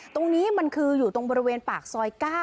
ตรงนี้มันคืออยู่ตรงบริเวณปากซอย๙